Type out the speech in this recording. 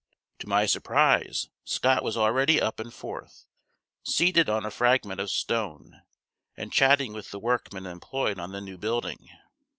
To my surprise Scott was already up and forth, seated on a fragment of stone, and chatting with the workmen employed on the new building.